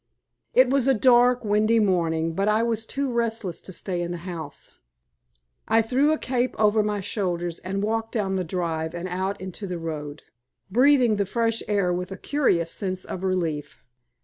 It was a dark, windy morning, but I was too restless to stay in the house. I threw a cape over my shoulders and walked down the drive and out into the road, breathing the fresh air with a curious sense of relief.